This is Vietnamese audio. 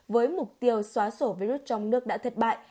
với mục tiêu xóa sổ virus trong nước đã thất bại